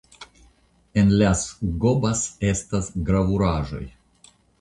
En Las Gobas estas gravuraĵoj.